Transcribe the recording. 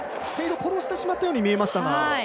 スピード殺してしまったように見えました。